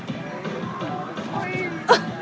อาหาร